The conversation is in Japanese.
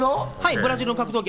ブラジルの格闘技。